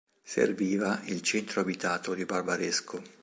Serviva il centro abitato di Barbaresco.